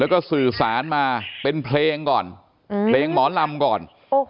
แล้วก็สื่อสารมาเป็นเพลงก่อนเพลงหมอลำก่อน